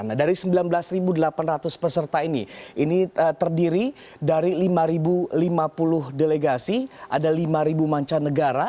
nah dari sembilan belas delapan ratus peserta ini ini terdiri dari lima lima puluh delegasi ada lima mancanegara